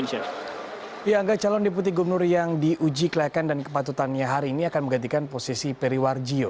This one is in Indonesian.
dianggap calon deputi gubernur yang diuji kelayakan dan kepatutannya hari ini akan menggantikan posisi periwar jio